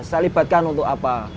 saya libatkan untuk apa